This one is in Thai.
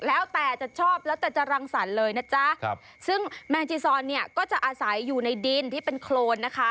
แล้วแต่จะชอบแล้วแต่จะรังสรรค์เลยนะจ๊ะครับซึ่งแมงจีซอนเนี่ยก็จะอาศัยอยู่ในดินที่เป็นโครนนะคะ